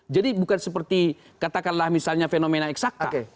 jadi bukan seperti katakanlah misalnya fenomena eksakta